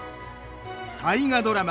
大河ドラマ